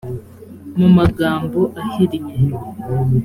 mu magambo ahinnye